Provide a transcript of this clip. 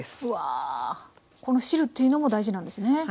うわこの汁というのも大事なんですね？